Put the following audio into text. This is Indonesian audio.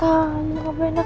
kamu gak boleh nak